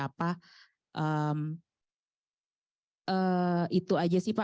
seperti apa langkah langkahnya begitu dengan mekanisme yang seperti apa